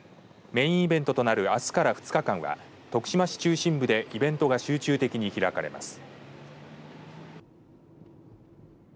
メインイベントとなるあすから２日間は徳島市中心部でイベントが集中的に開かれます。